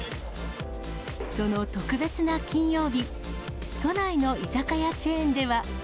その特別な金曜日、都内の居酒屋チェーンでは。